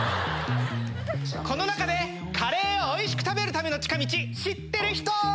この中でカレーをおいしく食べるための近道知ってる人！